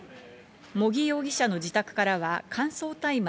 茂木容疑者の自宅からは乾燥大麻